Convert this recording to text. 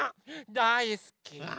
だいすき！